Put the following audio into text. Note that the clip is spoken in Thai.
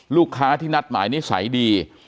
ลูกค้าที่นัดหมายหน้าใสดี